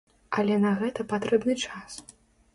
Але на гэта патрэбны час.